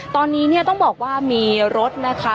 ตอนนี้เนี่ยต้องบอกว่ามีรถนะคะ